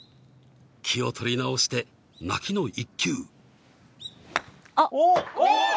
気を取り直して泣きの一球おお！